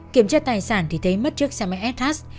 kiểm tra tài sản thì thấy mất trước xe máy s tas